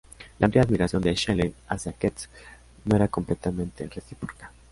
La amplia admiración de Shelley hacia Keats no era completamente recíproca.